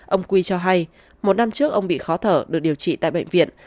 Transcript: ông quy cho hay một năm trước ông bị khó thở được điều trị tại bệnh viện